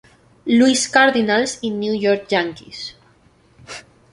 Louis Cardinals y New York Yankees.